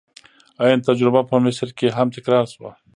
عین تجربه په مصر کې هم تکرار شوه.